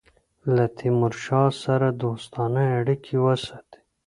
له تیمورشاه سره دوستانه اړېکي وساتي.